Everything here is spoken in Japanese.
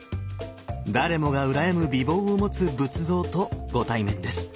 誰もが羨む美貌を持つ仏像とご対面です。